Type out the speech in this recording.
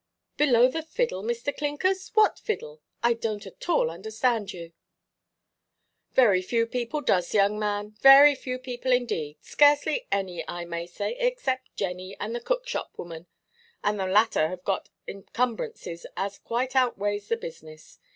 "Below the fiddle, Mr. Clinkers! What fiddle? I donʼt at all understand you." "Very few people does, young man; very few people indeed. Scarcely any, I may say, except Jenny and the cookshop woman; and the latter have got encumbrances as quite outweighs the business.